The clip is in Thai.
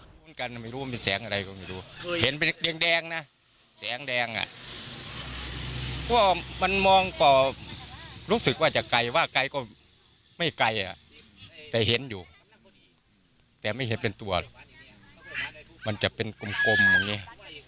แต่ไม่เห็นเป็นตัวมันจะเป็นกลมอย่างนี้